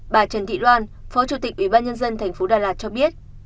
bà trần thị loan phó chủ tịch ủy ban nhân dân thành phố đà lạt cho biết